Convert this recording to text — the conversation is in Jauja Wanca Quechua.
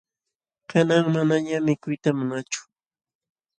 Kanan manañam mikuyta munaachu.